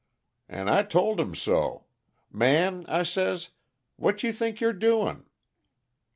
"And I told him so. 'Man,' I says, 'what you think you're doing?'